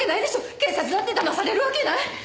警察だって騙されるわけない！